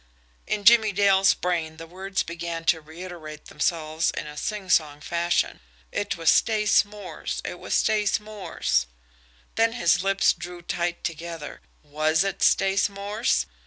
In Jimmie Dale's brain the words began to reiterate themselves in a singsong fashion: "It was Stace Morse. It was Stace Morse." Then his lips drew tight together. WAS it Stace Morse?